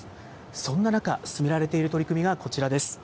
そんな中、進められている取り組みがこちらです。